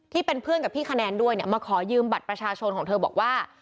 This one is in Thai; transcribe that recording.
ที่เป็นเพื่อนกับพี่คะแนนด้วยเนี่ยมาขอยืมบัตรประชาชนของเธอบอกว่า